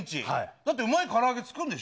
だってうまいから揚げ作るんでし